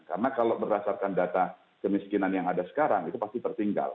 karena kalau berdasarkan data kemiskinan yang ada sekarang itu pasti tertinggal